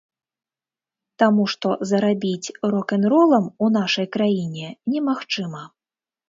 Таму што зарабіць рок-н-ролам у нашай краіне немагчыма.